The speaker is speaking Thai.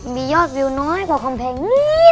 มียอดวิวน้อยกว่าคำเพลงนี้